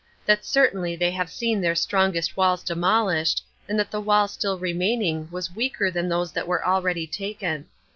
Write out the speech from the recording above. That certainly they have seen their strongest walls demolished, and that the wall still remaining was weaker than those that were already taken.